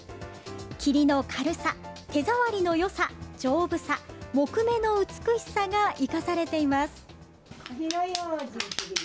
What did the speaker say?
桐の軽さ、手触りのよさ、丈夫さ木目の美しさが生かされています。